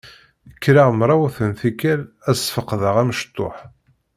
Kkreɣ mrawet n tikkal ad sfeqdeɣ amecṭuḥ.